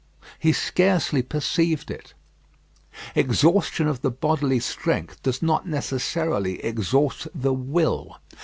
He scarcely perceived it. Exhaustion of the bodily strength does not necessarily exhaust the will.